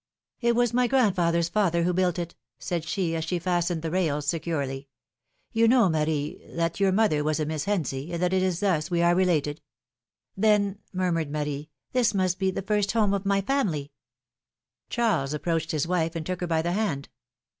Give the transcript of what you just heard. It was my grandfather^s father who built it,^^ said she, as she fastened the rails securely. ^^You know, Marie, that your mother was a Miss Hensey, and that it is thus we are related.^' Then/^ murmured Marie, this must be the first home of niy family.'' Charles approached his wife, and took her by the hand.